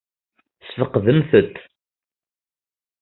Ssfeqden-tent?